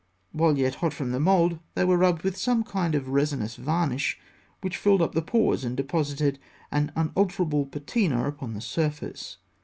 While yet hot from the mould, they were rubbed with some kind of resinous varnish which filled up the pores and deposited an unalterable patina upon the surface.